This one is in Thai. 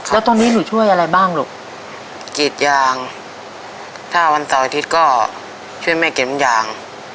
แล้วตอนนี้หนูช่วยอะไรบ้างลูกกรีดยางถ้าวันเสาร์อาทิตย์ก็ช่วยแม่เก็บยาง